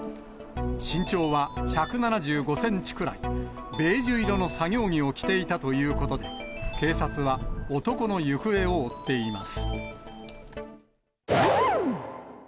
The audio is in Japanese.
身長は１７５センチくらい、ベージュ色の作業着を着ていたということで、警察は男の行方を追っています。